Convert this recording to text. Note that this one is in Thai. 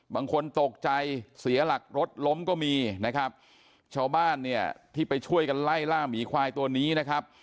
บางคนตกใจเสียหลักรถล้มก็มีนะครับชาวบ้านเนี่ยที่ไปช่วยกันไล่ล่าหมีควายตัวนี้นะครับ